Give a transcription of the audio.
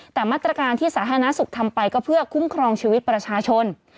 แต่มาตรการที่สาธารณสุขทำไปก็เพื่อคุ้มครองชีวิตประชาชน